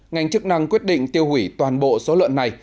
ngành chức năng quyết định tiêu hủy toàn bộ số lợn này